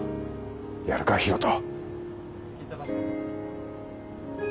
やるか広翔。